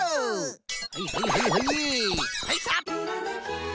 はいはいはいはいはいきた！